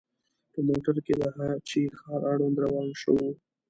په موټر کې د هه چه ښار اړوند روان شوو.